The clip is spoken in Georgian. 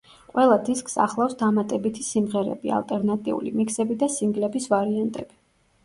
ყველა დისკს ახლავს დამატებითი სიმღერები, ალტერნატიული მიქსები და სინგლების ვარიანტები.